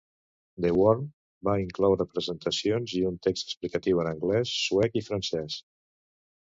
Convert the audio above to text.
"The Worm" va incloure presentacions i un text explicatiu en anglès, suec i francès.